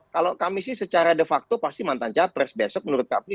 kalau kami sih secara de facto pasti mantan capres besok menurut kami